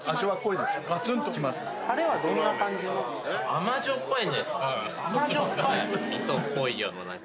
甘じょっぱい？